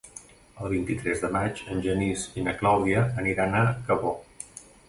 El vint-i-tres de maig en Genís i na Clàudia aniran a Cabó.